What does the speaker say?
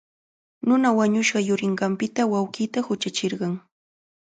Nuna wañushqa yurinqanpita wawqiita huchachirqan.